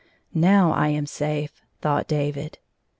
" Now I am safe," thought David.